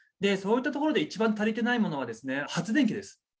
そういった所で一番足りてないものは発電機です。